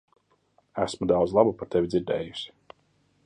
Esmu daudz laba par tevi dzirdējusi.